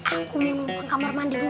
aku mau ke kamar mandi dulu ya